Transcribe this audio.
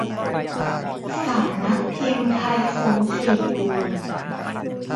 สำนักพิมพ์ไทยคมทรีบูน